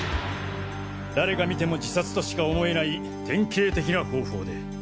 誰が見ても自殺としか思えない典型的な方法で。